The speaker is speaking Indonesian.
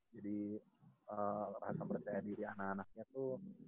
jadi rasa percaya diri anak anaknya tuh